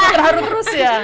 terharu terus ya